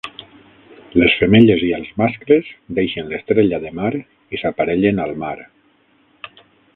Les femelles i els mascles deixen l'estrella de mar i s'aparellen al mar.